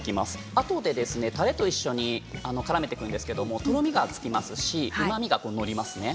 あとでたれと一緒にからめていくんですけれどとろみがつきますしうまみが乗りますね。